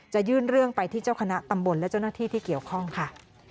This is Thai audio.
ยื่นเรื่องไปที่เจ้าคณะตำบลและเจ้าหน้าที่ที่เกี่ยวข้องค่ะ